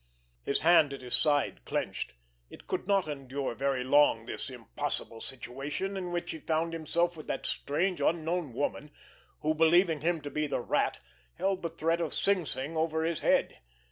His hand at his side clenched. It could not endure very long—this impossible situation in which he found himself with that strange, unknown woman, who, believing him to be the Rat, held the threat of Sing Sing over his head.